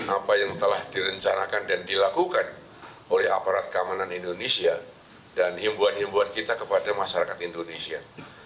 apa yang telah direncanakan dan dilakukan oleh aparat keamanan indonesia dan himbuan himbuan kita kepada masyarakat indonesia